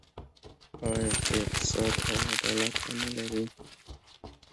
آیا چې اقتصاد او عدالت ونلري؟